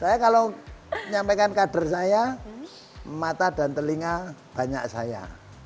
saya kalau menyampaikan kader saya mata dan telinga banyak saya